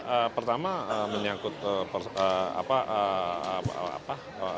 ya pertama menyangkut apa